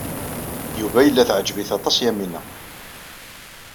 Yuba yella teɛǧeb-it aṭas Yamina.